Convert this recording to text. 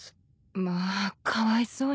まあかわいそうに。